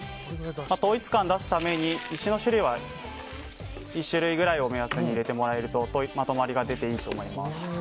あと、統一感出すために石の種類は２種類くらいを目安に入れてもらえるとまとまりが出ていいと思います。